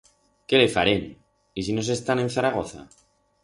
Qué le farem! Y si nos estam en Zaragoza?